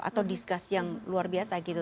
atau diskas yang luar biasa gitu